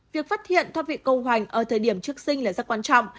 việc phát hiện thoát vị cơ hoành ở thời điểm trước sinh là rất quan trọng